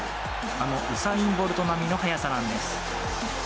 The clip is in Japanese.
あのウサイン・ボルト並みの速さなんです。